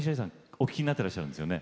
お聴きになってらっしゃるんですよね？